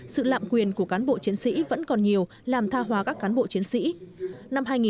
sự lạm quyền của cán bộ chiến sĩ vẫn còn nhiều làm tha hóa các cán bộ chiến sĩ